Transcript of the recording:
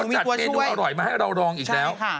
จัดเมนูอร่อยมาให้เราลองอีกแล้ว